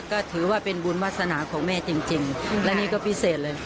ก็ถือว่าเป็นบุญวาสนาของแม่จริงและนี่ก็พิเศษเลย